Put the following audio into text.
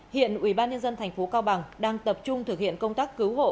hiện ubnd tp cao bằng đang tập trung thực hiện công tác cứu hộ